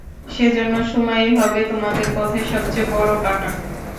সেজন্য সময়ই হবে তোমাদের পথের সবচেয়ে বড়ো কাঁটা।